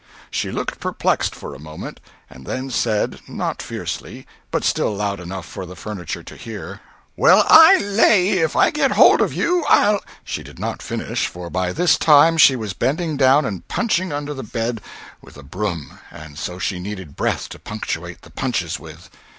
She looked perplexed for a moment, and then said, not fiercely, but still loud enough for the furniture to hear: "Well, I lay if I get hold of you I'll—" She did not finish, for by this time she was bending down and punching under the bed with the broom, and so she needed breath to punctuate the punches with.